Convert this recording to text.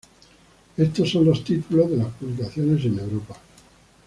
Estos son los títulos de las publicaciones en Europa.